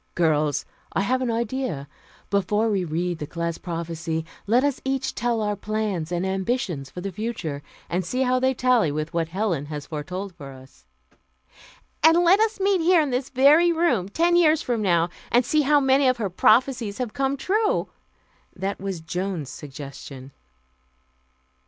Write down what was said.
"Girls, I have an idea. Before we read the class prophecy, let us each tell our plans and ambitions for the future, and see how they tally with what Helen has foretold for us " "And let us meet here in this very room, ten years from now, and see how many of her prophecies have come true." That was Joan's suggestion.